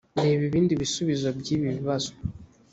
reba ibindi bisubizo by ibibazo